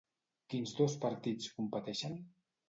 Quins dos partits competeixen?